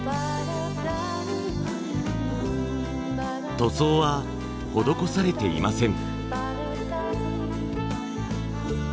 塗装は施されていません。